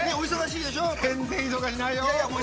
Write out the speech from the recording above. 全然忙しないよ。